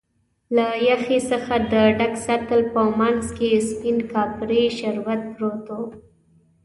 له یخی څخه د ډک سطل په مینځ کې سپین کاپري شربت پروت و.